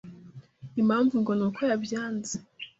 Impamvu ngo ni uko yabyanze